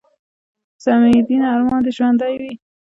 سمیع الدین ارمان دې ژوندے وي